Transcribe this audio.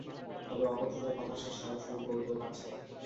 তবে অপছন্দের কথা সে সরাসরি বলতেও পারছে না।